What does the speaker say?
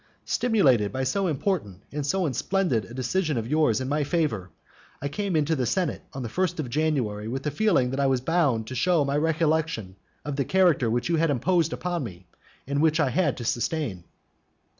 Stimulated by so important and so splendid a decision of yours in my favour, I came into the senate on the first of January, with the feeling that I was bound to show my recollection of the character which you had imposed upon me, and which I had to sustain.